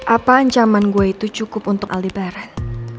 apa ancaman gue itu cukup untuk alibar